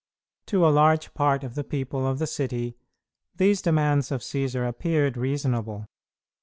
To a large part of the people of the city these demands of Cćsar appeared reasonable.